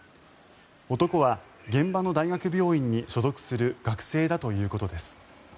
男は、現場の大学病院に所属する学生だということです。